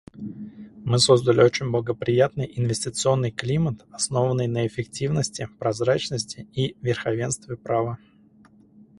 Мы создали очень благоприятный инвестиционный климат, основанный на эффективности, прозрачности и верховенстве права.